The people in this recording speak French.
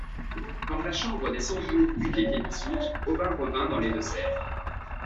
Quand la Chambre des Cent-Jours eut été dissoute, Aubin revint dans les Deux-Sèvres.